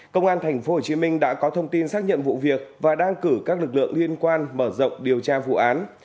công an thành phố hồ chí minh đã có thông tin xác nhận vụ việc và đang cử các lực lượng liên quan mở rộng điều tra vụ án